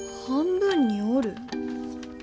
半分におる。